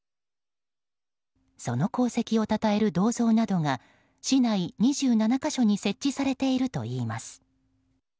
その功績をたたえる銅像などが市内２７か所に設置されているといいます。